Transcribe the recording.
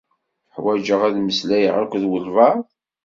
Ḥwajeɣ ad mmeslayeɣ akked walbaɛḍ.